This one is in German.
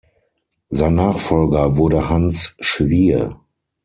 Sein Nachfolger wurde Hans Schwier.